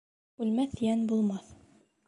Үлмәҫ йән булмаҫ